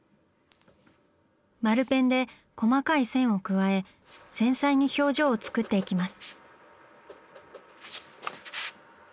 丸ペンで細かい線を加え繊細に表情を作っていきます。